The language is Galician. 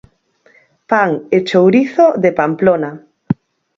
Pan e chourizo de Pamplona.